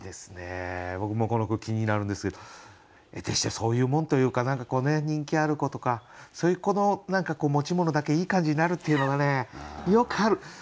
僕もこの句気になるんですけどえてしてそういうもんというか何かこうね人気ある子とかそういう子の持ち物だけいい感じになるっていうのはねよくある。